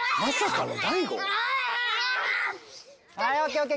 はいＯＫＯＫ！